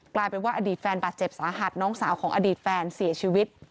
กลายเป็นว่าอดีตแฟนบาดเจ็บสาหัสน้องสาวของอดีตแฟนเสียชีวิต